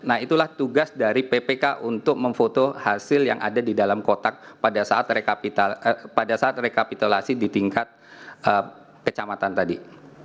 nah itulah tugas dari ppk untuk memfoto hasil yang ada di dalam kotak pada saat rekapitulasi di tingkat kecamatan tadi